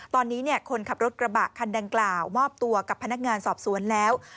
ตอนนี้คนขับรถกระบะคันดังกล่าวมอบตัวกับพนักงานสอบสวนแล้ว